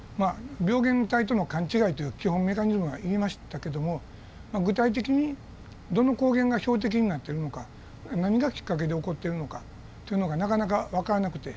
病原体との勘違いという基本メカニズムは言いましたけども具体的にどの抗原が標的になってるのか何がきっかけで起こってるのかというのがなかなかわからなくて。